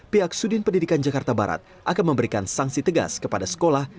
pihak sudin pendidikan jakarta barat akan memberikan sanksi tegas kepada sekolah